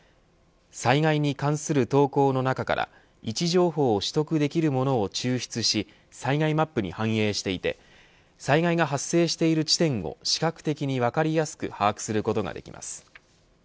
災害に関する投稿の中から位置情報を取得できるものを抽出し災害マップに反映していて災害が発生している地点を視覚的に分かりやすく把握することができます。